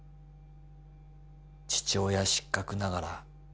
「父親失格ながら」